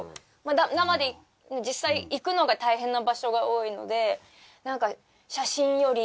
生で実際行くのが大変な場所が多いのでなんか写真より。